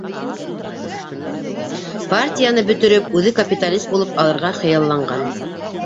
Партияны бөтөрөп, үҙе капиталист булып алырға хыялланған!